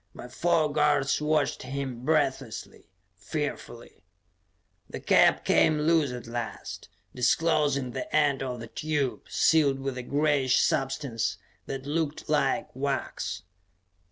My four guards watched him breathlessly, fearfully. The cap came loose at last, disclosing the end of the tube, sealed with a grayish substance that looked like wax.